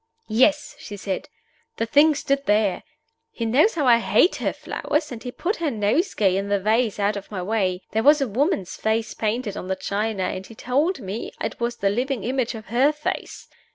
"Yes!" she said. "The thing stood there. He knows how I hate her flowers, and he put her nosegay in the vase out of my way. There was a woman's face painted on the china, and he told me it was the living image of her face.